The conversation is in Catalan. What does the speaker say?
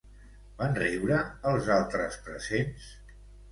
Van riure els altres presents?